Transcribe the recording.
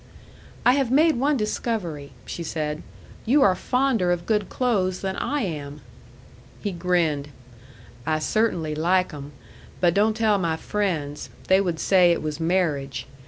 "I have made one discovery," she said. "You are fonder of good clothes than I am." He grinned. "I cert'nly like 'em. But don't tell my friends. They would say it was marriage.